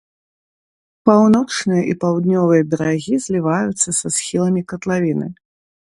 Паўночныя і паўднёвыя берагі зліваюцца са схіламі катлавіны.